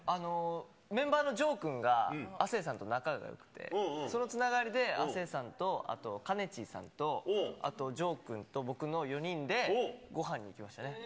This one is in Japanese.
メンバーの丈くんがあせいさんと仲がよくて、そのつながりで、亜生さんと、あとかねちさんとあと丈くんと僕の４人でごはん行きましたね。